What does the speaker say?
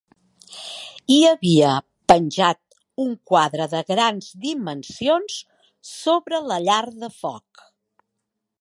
Hi havia penjat un quadre de grans dimensions sobre la llar de foc.